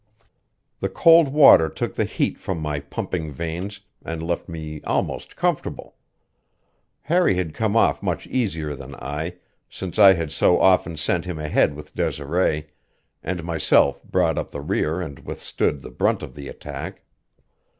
The cold water took the heat from my pumping veins and left me almost comfortable. Harry had come off much easier than I, since I had so often sent him ahead with Desiree, and myself brought up the rear and withstood the brunt of the attack.